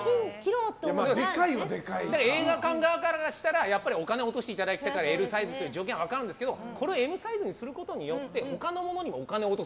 映画館側からしたらやっぱりお金を落としていただきたいからＬサイズという条件は分かるんですけど、これをＭサイズにすることによって他のものにもお金を落とす。